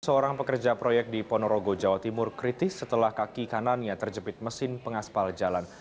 seorang pekerja proyek di ponorogo jawa timur kritis setelah kaki kanannya terjepit mesin pengaspal jalan